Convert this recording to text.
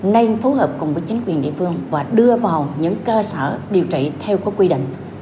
nên phối hợp cùng với chính quyền địa phương và đưa vào những cơ sở điều trị theo quy định